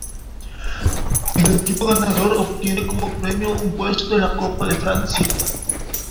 El equipo ganador obtiene como premio un puesto en la Copa de Francia.